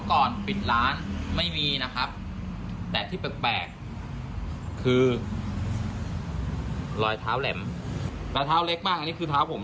เขาบอกรอยเท้าเล็กมาก